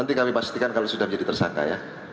nanti kami pastikan kalau sudah menjadi tersangka ya